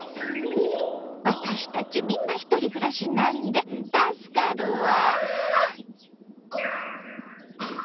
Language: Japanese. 私たちみんなひとり暮らしなんで助かるわ。